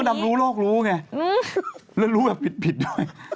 ดำรู้โลกรู้ไงแล้วรู้แบบผิดด้วย